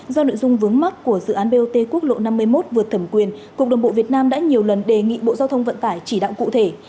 do nội dung vướng mắt của dự án bot quốc lộ năm mươi một vượt thẩm quyền cục đường bộ việt nam đã nhiều lần đề nghị bộ giao thông vận tải chỉ đạo cụ thể